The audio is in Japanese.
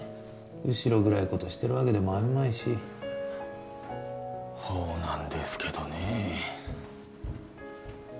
後ろ暗いことしてるわけでもあるまいしほうなんですけどねえ